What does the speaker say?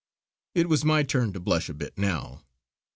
It was my turn to blush a bit now.